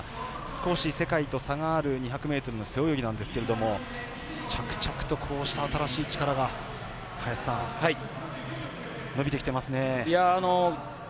少し世界と差がある２００ｍの背泳ぎなんですけども着々とこうした新しい力が伸びてきてますね。